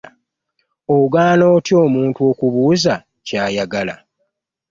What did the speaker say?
Ogaana otya omuntu okubuuza ky'ayagala?